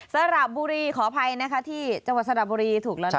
สระบุรีขออภัยนะคะที่จังหวัดสระบุรีถูกแล้วนะคะ